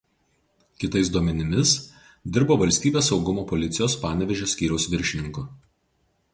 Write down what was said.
Kitais duomenimis dirbo Valstybės saugumo policijos Panevėžio skyriaus viršininku.